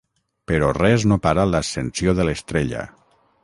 Però res no para l'ascensió de l'estrella.